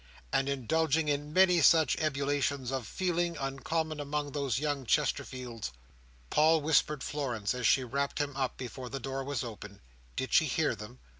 and indulging in many such ebullitions of feeling, uncommon among those young Chesterfields. Paul whispered Florence, as she wrapped him up before the door was opened, Did she hear them?